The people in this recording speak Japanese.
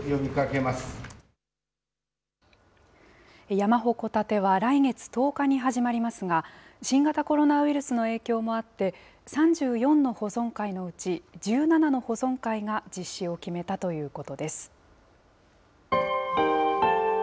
山鉾建ては、来月１０日に始まりますが、新型コロナウイルスの影響もあって、３４の保存会のうち、１７の保存会が実施を決めたということです。